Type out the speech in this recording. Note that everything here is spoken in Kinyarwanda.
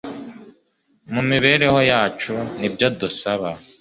mu mibereho yacu nibyo dusaba